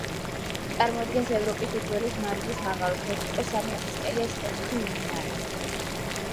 წარმოადგენს ევროპის უძველეს მარილის მაღაროს, სადაც უკვე სამი ათასი წელია ეს პროცესი მიმდინარეობს.